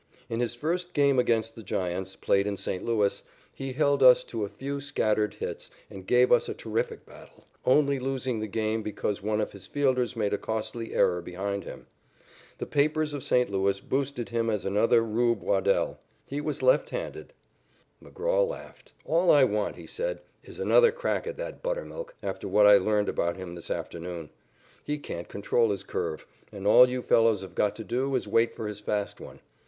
In his first game against the Giants, played in St. Louis, he held us to a few scattered hits and gave us a terrific battle, only losing the game because one of his fielders made a costly error behind him. The papers of St. Louis boosted him as another "Rube" Waddell. He was left handed. McGraw laughed. "All I want," he said, "is another crack at that Buttermilk after what I learned about him this afternoon. He can't control his curve, and all you fellows have got to do is wait for his fast one.